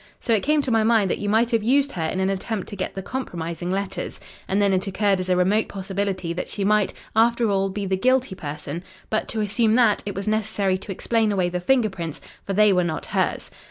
So it came to my mind that you might have used her in an attempt to get the compromising letters. And then it occurred as a remote possibility that she might, after all, be the guilty person, but, to assume that, it was necessary to explain away the finger prints for they were not hers.